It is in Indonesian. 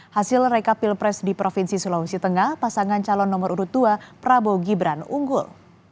hasil rekapil pres di provinsi sulawesi tengah pasangan calon nomor urut dua prabowo gibran unggul